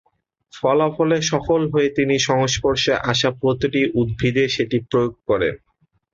ফলাফলে সফল হয়ে তিনি সংস্পর্শে আসা প্রতিটি উদ্ভিদে সেটি প্রয়োগ করেন।